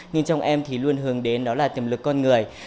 nhưng trong em thì luôn hướng đến đó là tiềm lực con người